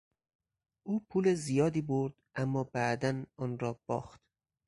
او پول زیادی برد اما بعدا آن را باخت.